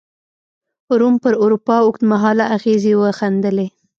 روم پر اروپا اوږد مهاله اغېزې وښندلې.